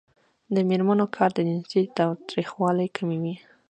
د میرمنو کار د جنسي تاوتریخوالي کموي.